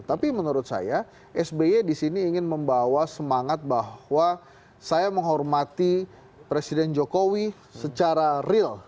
tapi menurut saya sby di sini ingin membawa semangat bahwa saya menghormati presiden jokowi secara real